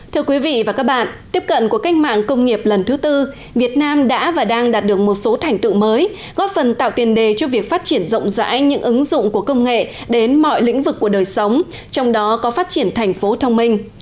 thưa quý vị và các bạn tiếp cận của cách mạng công nghiệp lần thứ tư việt nam đã và đang đạt được một số thành tựu mới góp phần tạo tiền đề cho việc phát triển rộng rãi những ứng dụng của công nghệ đến mọi lĩnh vực của đời sống trong đó có phát triển thành phố thông minh